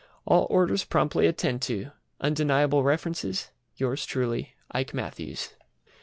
All orders promptly attend to. Undeniable References. Yours truly, IKE MATTHEWS.